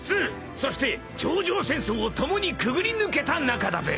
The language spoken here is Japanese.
そして頂上戦争を共にくぐり抜けた仲だべ］